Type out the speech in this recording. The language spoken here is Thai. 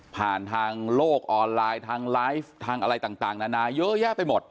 ผ่านทางโลกออนไลน์ทางไลฟ์ทางอะไรต่างนานาเยอะแยะไปหมด